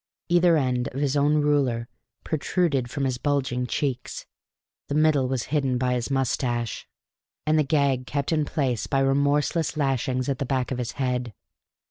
Either end of his own ruler protruded from his bulging cheeks the middle was hidden by his moustache and the gag kept in place by remorseless lashings at the back of his head.